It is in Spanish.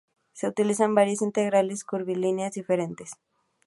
Se utilizan varias integrales curvilíneas diferentes.